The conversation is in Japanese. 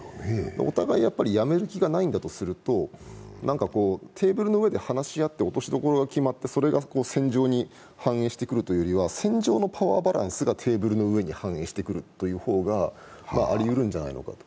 お互いやめる気がないんだとすると、テーブルの上で話し合って落としどころが決まってそれが戦場に反映してくるというよりは戦場のパワーバランスがテーブルの上に反映してくる方がありうるのではないか。